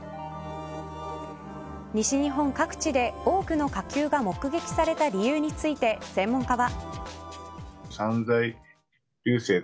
西日本各地で多くの火球が目撃された理由について専門家は。